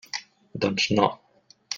Doncs no.